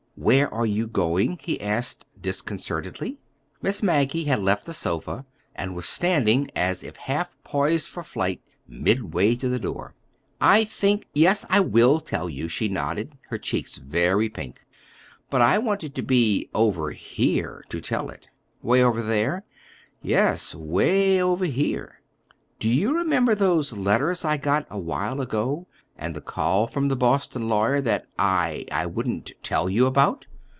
Where are you going?" he asked discontentedly. Miss Maggie had left the sofa, and was standing, as if half poised for flight, midway to the door. "I think—yes, I will tell you," she nodded, her cheeks very pink; "but I wanted to be—over here to tell it." "'Way over there?" "Yes, 'way over here. Do you remember those letters I got awhile ago, and the call from the Boston; lawyer, that I—I wouldn't tell you about?"